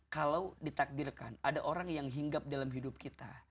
kalau ditakdirkan ada orang yang hinggap dalam hidup kita